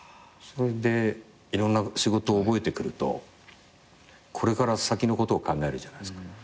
それでいろんな仕事を覚えてくるとこれから先のことを考えるじゃないですか。